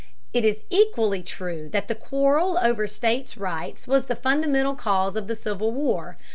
It is equally true that the quarrel over states' rights was the fundamental cause of the Civil War.